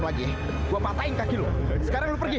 lepas lagi gua patahin kaki lu sekarang lu pergi